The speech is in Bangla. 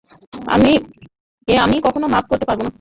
এ আমি কখনো মাপ করতে পারব না।